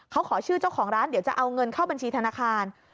เขาขอชื่อเจ้าของร้านเดี๋ยวจะเอาเงินเข้าบัญชีธนาคาร